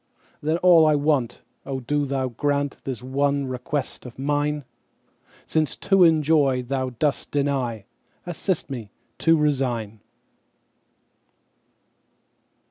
Then all I want—O do Thou grantThis one request of mine!—Since to enjoy Thou dost deny, Assist me to resign.